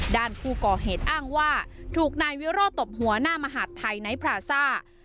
ด้านผู้ก่อเหตุอ้างว่าถูกนายวิโรธตบหัวหน้ามหาดไทยไนท์พราซ่า